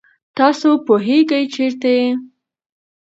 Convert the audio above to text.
تاسو پوهېږئ چېرته یئ؟